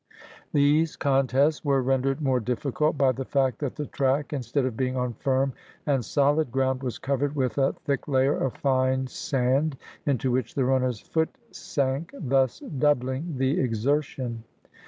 These contests were rendered more difi&cult by the fact that the track, instead of being on firm and solid ground, was covered with a thick layer of fine sand into which the runner's foot sank, thus doubHng the exertion.